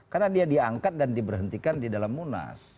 karena dia diangkat dan diberhentikan di dalam munas